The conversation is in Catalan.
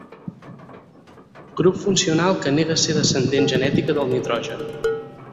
Grup funcional que nega ser descendent genètica del nitrogen.